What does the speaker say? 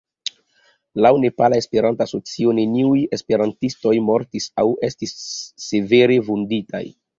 Laŭ Nepala Esperanto-Asocio neniuj esperantistoj mortis aŭ estis severe vunditaj.